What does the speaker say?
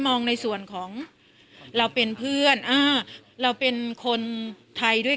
กินโทษส่องแล้วอย่างนี้ก็ได้